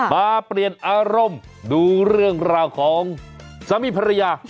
มาเปลี่ยนอารมณ์ดูเรื่องราวของสามีภรรยา